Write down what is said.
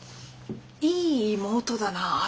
いい妹だなって。